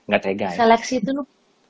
gak tega ya seleksi itu